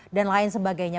dan lain sebagainya